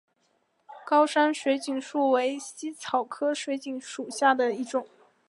高山水锦树为茜草科水锦树属下的一个种。